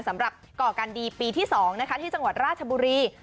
สำหรับก่อการดีปีที่๒ที่จังหวัดราชบุรี